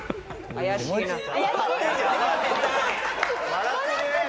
笑ってる！